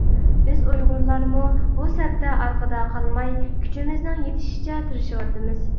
بىز ئۇيغۇرلارمۇ بۇ سەپتە ئارقىدا قالماي كۈچىمىزنىڭ يىتىشىچە تىرىشىۋاتىمىز.